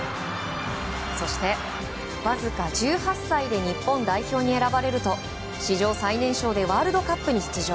そしてわずか１８歳で日本代表に選ばれると史上最年少でワールドカップに出場。